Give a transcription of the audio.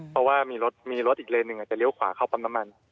เพราะว่ามีรถมีรถอีกเลนหนึ่งอาจจะเลี้ยวขวาเข้าปั๊มน้ำมัน